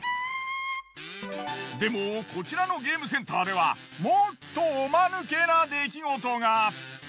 でもこちらのゲームセンターではもっとおマヌケな出来事が。